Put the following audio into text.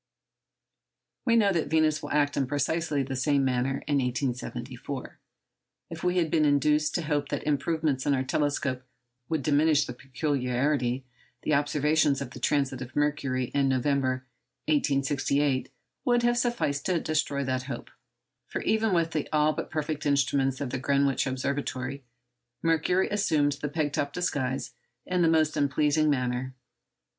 We know that Venus will act in precisely the same manner in 1874. If we had been induced to hope that improvements in our telescopes would diminish the peculiarity, the observations of the transit of Mercury, in November 1868, would have sufficed to destroy that hope, for even with the all but perfect instruments of the Greenwich Observatory, Mercury assumed the peg top disguise in the most unpleasing manner.